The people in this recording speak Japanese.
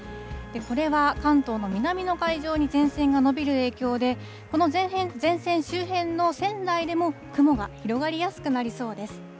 これは関東の南の海上に前線が延びる影響で、この前線周辺の線内でも雲が広がりやすくなりそうです。